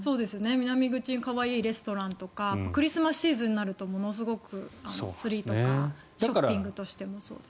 南口に可愛いレストランとかクリスマスシーズンになるとものすごくツリーとかショッピングとしてもそうだし。